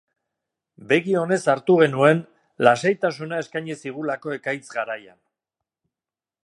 Begi onez hartu genuen, lasaitasuna eskaini zigulako ekaitz garaian.